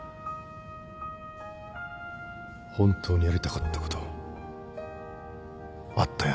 本当にやりたかったことあったような気もする。